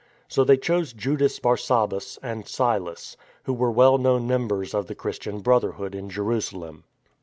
So they chose Judas Bar Sabbas and Silas, who were well known members of the Christian Brotherhood in Jerusalem.